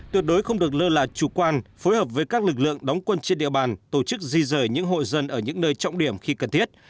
tuyệt đối không được lơ là chủ quan phối hợp với các lực lượng đóng quân trên địa bàn tổ chức di rời những hộ dân ở những nơi trọng điểm khi cần thiết